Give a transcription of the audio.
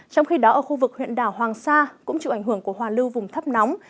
trong khi đó ở khu vực huyện đảo hoàng sa cũng chịu ảnh hưởng của hoa lưu vùng thấp nóng